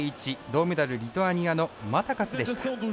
銅メダル、リトアニアのマタカスでした。